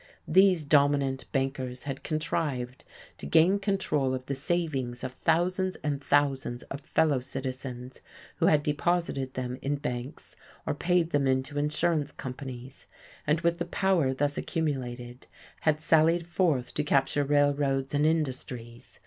These dominant bankers had contrived to gain control of the savings of thousands and thousands of fellow citizens who had deposited them in banks or paid them into insurance companies, and with the power thus accumulated had sallied forth to capture railroads and industries.